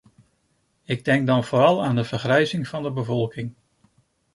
Ik denk dan vooral aan de vergrijzing van de bevolking.